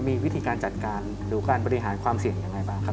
มีวิธีการจัดการหรือการบริหารความเสี่ยงยังไงบ้างครับ